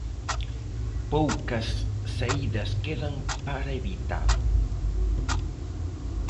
Poucas saídas quedan para evitalo.